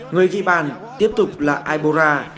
người ghi bàn tiếp tục là aibora